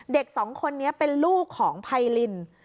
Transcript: เด็กสองคนนี้เป็นลูกของไพริน